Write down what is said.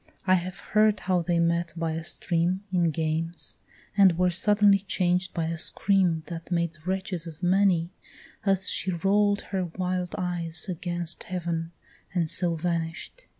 I have heard how they met by a stream In games, and were suddenly changed by a scream That made wretches of many, as she roll'd her wild eyes Against heaven, and so vanish'd.